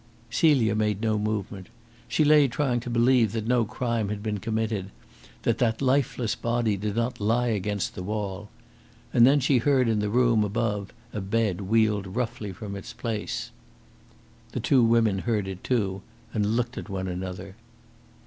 Celia made no movement. She lay trying to believe that no crime had been committed, that that lifeless body did not lie against the wall. And then she heard in the room above a bed wheeled roughly from its place. The two women heard it too, and looked at one another.